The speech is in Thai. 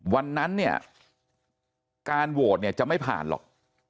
วันนั้นเนี่ยการโหวตเนี่ยจะไม่ผ่านหรอก